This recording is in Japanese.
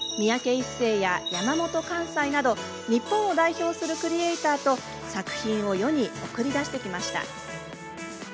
一生や山本寛斎など日本を代表するクリエイターと作品を世に送り出してきました。